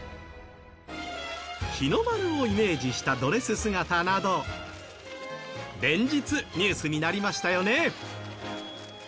日の丸をイメージしたドレス姿など連日ニュースになりましたよね。